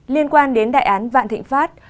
liên quan đến đại án vạn thịnh pháp